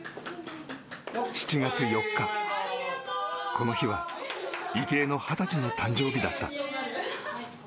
７月４日、この日は池江の２０歳の誕生日だった。